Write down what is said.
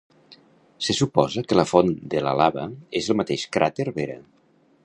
Se suposa que la font de la lava és el mateix cràter Vera.